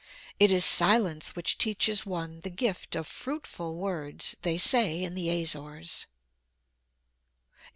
It is silence which teaches one the gift of fruitful words, they say in the Azores.